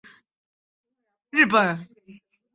十钱纸币是曾经流通的一种日本银行券。